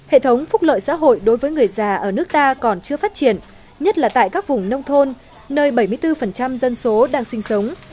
hệ thống phúc lợi xã hội đối với người già ở nước ta còn chưa phát triển nhất là tại các vùng nông thôn nơi bảy mươi bốn dân số đang sinh sống